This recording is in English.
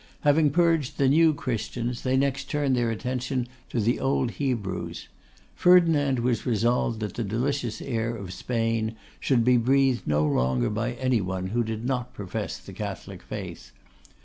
Having purged the new Christians, they next turned their attention to the old Hebrews. Ferdinand was resolved that the delicious air of Spain should be breathed no longer by any one who did not profess the Catholic faith.